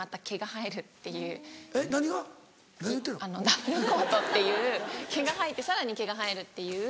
ダブルコートっていう毛が生えてさらに毛が生えるっていう。